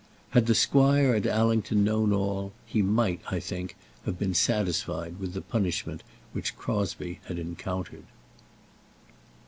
Had the squire at Allington known all, he might, I think, have been satisfied with the punishment which Crosbie had encountered.